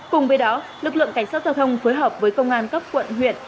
cùng với đó lực lượng cảnh sát giao thông phối hợp với công an các quận huyện